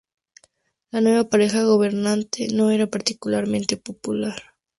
La nueva pareja gobernante no era particularmente popular.